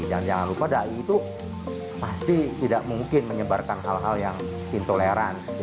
dan jangan lupa da'i itu pasti tidak mungkin menyebarkan hal hal yang intoleransi